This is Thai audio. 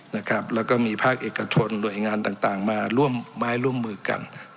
แล้วก็มีภาคเอกชนหน่วยงานต่างมาร่วมไม้ร่วมมือกัน